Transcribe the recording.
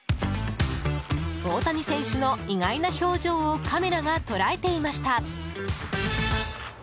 大谷選手の意外な表情をカメラが捉えていました。